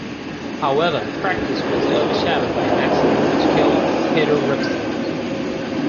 However, practice was overshadowed by an accident which killed Peter Revson.